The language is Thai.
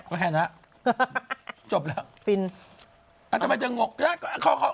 ก็แค่นั้นครับจบแล้วฟิลอ่ะทำไมเจ้าหงกขอแค่มา